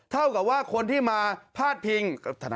เท่ากับว่าคนที่มาพาดพิง